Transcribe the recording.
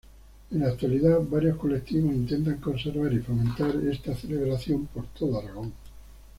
En la actualidad, varios colectivos intentan conservar y fomentar esta celebración por todo Aragón.